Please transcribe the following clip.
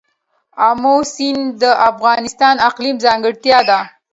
آمو سیند د افغانستان د اقلیم ځانګړتیا ده.